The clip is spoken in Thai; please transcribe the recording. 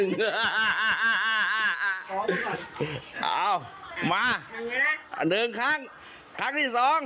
นี่แม่ขลับ๕๐๐อยู่นี่